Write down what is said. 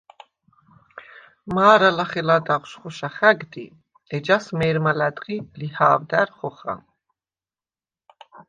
მა̄რა ლახე ლადაღშვ ხოშა ხა̈გდი, ეჯას მე̄რმა ლა̈დღი ლიჰა̄ვდა̈რ ხოხა.